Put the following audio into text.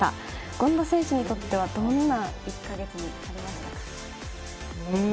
権田選手にとってはどんな１か月になりましたか。